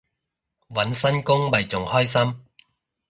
搵新工咪仲開心